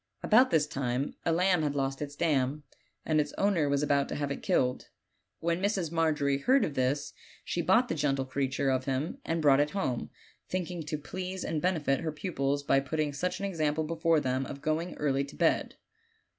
About this time a lamb had lost its dam, and its owner was about to have it killed. When Mrs. Margery heard of this she bought the gentle creature of him and brought it home, thinking to please and benefit her pupils by putting such an example before them of going early to bed.